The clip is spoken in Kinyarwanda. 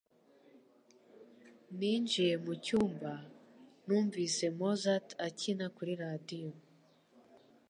Ninjiye mucyumba, numvise Mozart akina kuri radio